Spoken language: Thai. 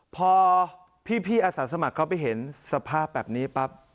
พอพี่อาสาสมัครเขาไปเห็นสภาพแบบนี้ปั๊บ